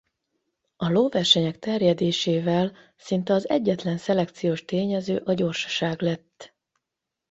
A lóversenyek terjedésével szinte az egyetlen szelekciós tényező a gyorsaság lett.